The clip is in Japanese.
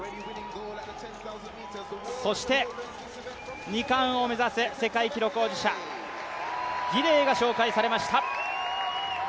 そして２冠を目指す世界記録保持者ギデイが紹介されました。